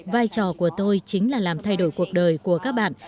vai trò của tôi chính là làm thay đổi cuộc đời của các bạn